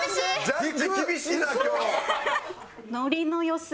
ジャッジ厳しいな今日！